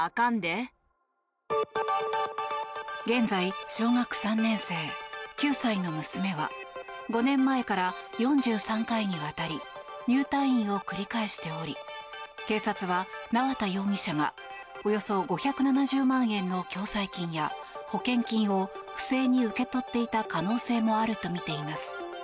現在小学３年生、９歳の娘は５年前から４３回にわたり入退院を繰り返しており警察は縄田容疑者がおよそ５７０万円の共済金や保険金を不正に受け取っていた可能性もあるとみています。